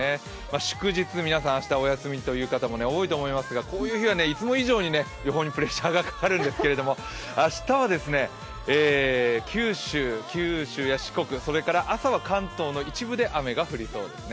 祝日、皆さん明日お休みという方も多いと思いますがこういう日はいつも以上に予報にプレッシャーがかかるんですけど明日はですね、九州や四国それから朝は関東の一部で雨が降りそうですね。